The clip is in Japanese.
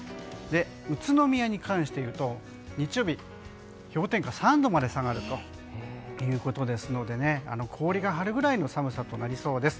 宇都宮に関していうと、日曜日氷点下３度まで下がるので氷が張るぐらいの寒さとなりそうです。